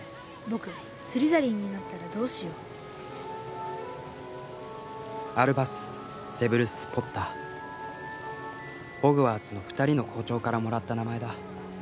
僕スリザリンになったらどうしようアルバス・セブルス・ポッターホグワーツの二人の校長からもらった名前だ